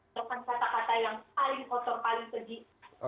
bahkan kata kata yang paling kotor paling sedih